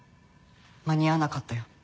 間に合わなかったよ。